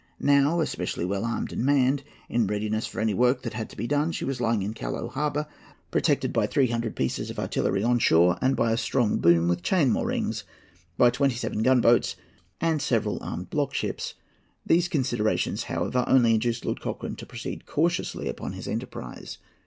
Now especially well armed and manned, in readiness for any work that had to be done, she was lying in Callao Harbour, protected by three hundred pieces of artillery on shore and by a strong boom with chain moorings, by twenty seven gunboats and several armed block ships. These considerations, however, only induced Lord Cochrane to proceed cautiously upon his enterprise.